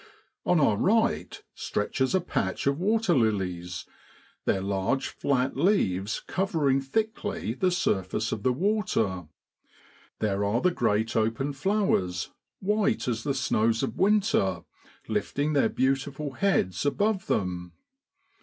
On our right stretches a patch of water lilies, their large flat leaves covering thickly the surface of the water; there are the great open flowers, white as the snows of winter, lifting their beautiful heads above them.